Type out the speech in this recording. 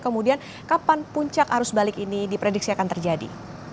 kemudian kapan puncak arus balik ini diprediksi akan terjadi